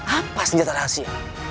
apa senjata rahasia